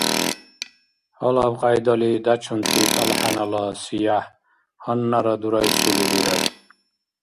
Гьалаб кьяйдали дячунти тӀалхӀянала сияхӀ гьаннара дурайсули бирар.